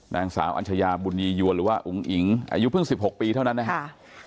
นางสาวอัญชยาบุญยียวนหรือว่าอุ๋งอิ๋งอายุเพิ่ง๑๖ปีเท่านั้นนะครับ